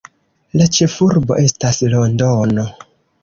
La ĉefurbo estas Londono.